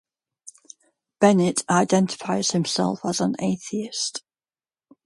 Bennett identifies himself as an atheist.